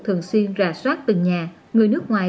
thường xuyên rà soát từ nhà người nước ngoài